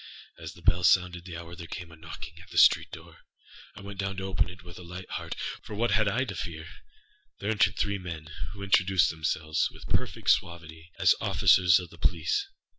As the bell sounded the hour, there came a knocking at the street door. I went down to open it with a light heart, âfor what had I now to fear? There entered three men, who introduced themselves, with perfect suavity, as officers of the police.